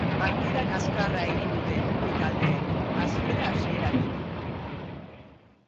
Partida kaskarra egin dute bi taldeek, hasiera-hasieratik.